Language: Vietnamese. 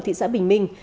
thị xã bình minh